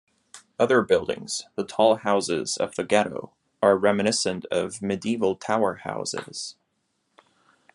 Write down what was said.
Other buildings, the tall houses of the Ghetto, are reminiscent of medieval tower-houses.